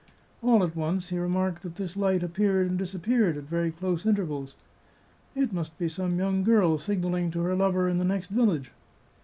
All at once he remarked that this light appeared and disappeared at very close intervals. " It must be some young girl sig nalling to her lover in the next village."